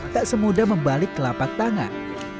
tak semudah membalik kelapak tangan